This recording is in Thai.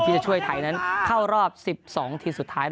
จะช่วยไทยนั้นเข้ารอบ๑๒ทีมสุดท้าย